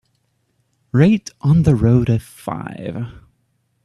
rate On the Road a five